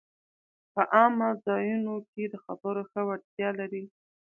په عامه ځایونو کې د خبرو ښه وړتیا لري